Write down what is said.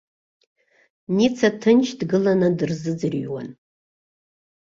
Ница ҭынч дгыланы дырзыӡырҩуан.